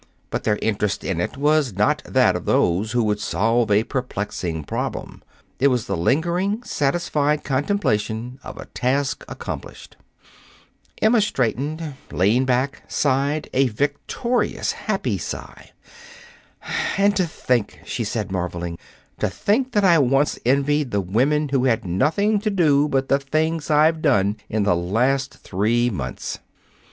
But their interest in it was not that of those who would solve a perplexing problem. It was the lingering, satisfied contemplation of a task accomplished. Emma straightened, leaned back, sighed a victorious, happy sigh. "And to think," she said, marveling, "to think that I once envied the women who had nothing to do but the things I've done in the last three months!"